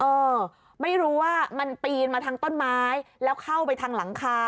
เออไม่รู้ว่ามันปีนมาทางต้นไม้แล้วเข้าไปทางหลังคา